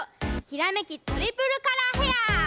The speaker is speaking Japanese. ひらめきトリプルカラーヘア！